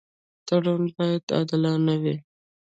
تړون باید عادلانه وي.